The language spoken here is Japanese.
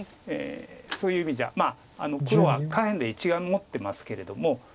そういう意味じゃ黒は下辺で１眼持ってますけれども。